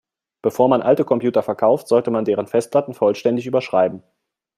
Bevor man alte Computer verkauft, sollte man deren Festplatten vollständig überschreiben.